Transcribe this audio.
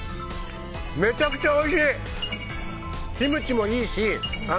めちゃくちゃおいしい！